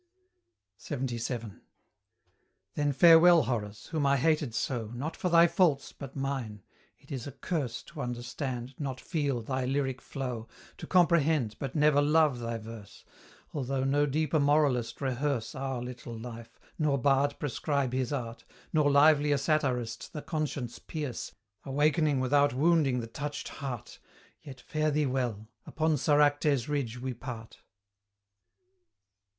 LXXVII. Then farewell, Horace; whom I hated so, Not for thy faults, but mine; it is a curse To understand, not feel, thy lyric flow, To comprehend, but never love thy verse, Although no deeper moralist rehearse Our little life, nor bard prescribe his art, Nor livelier satirist the conscience pierce, Awakening without wounding the touched heart, Yet fare thee well upon Soracte's ridge we part.